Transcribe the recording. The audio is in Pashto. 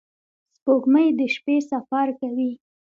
• سپوږمۍ د شپې سفر کوي.